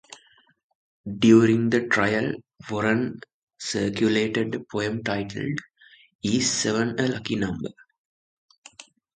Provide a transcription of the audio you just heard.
During the trial, Warren circulated a poem titled Is Seven a Lucky Number?